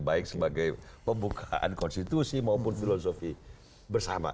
baik sebagai pembukaan konstitusi maupun filosofi bersama